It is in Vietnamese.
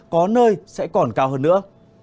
có nơi sẽ còn cao hơn nữa